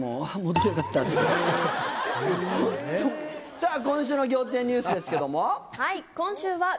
さぁ今週の『仰天ニュース』ですけども。